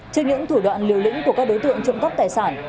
trên những thủ đoạn liều lĩnh của các đối tượng trộm cắp tài sản